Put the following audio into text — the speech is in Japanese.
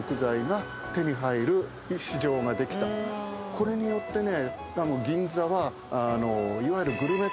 これによってね。